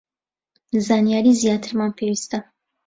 زانیاری زیاترمان پێویستە